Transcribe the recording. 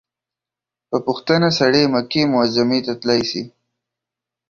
په پوښتنه سړى مکې معظمې ته تلاى سي.